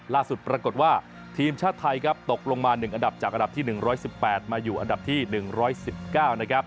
ล่าสุดปรากฏว่าทีมชาติไทยครับตกลงมา๑อันดับจากอันดับที่๑๑๘มาอยู่อันดับที่๑๑๙นะครับ